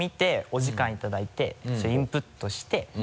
お時間いただいてインプットして。